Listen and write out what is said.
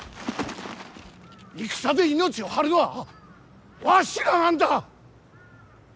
戦で命を張るのはわしらなんだ！